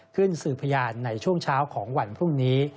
ขึ้นสื่อพยานในช่วงเช้าของวันพรุ่งนี้